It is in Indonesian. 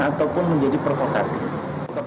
ataupun menjadi provokatif